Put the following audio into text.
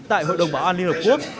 tại hội đồng bảo an liên hợp quốc